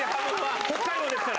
北海道ですから。